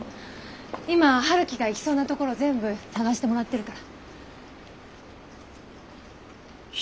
今陽樹が行きそうなところ全部捜してもらってるから。